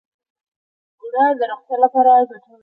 اوړه د روغتیا لپاره هم ګټور دي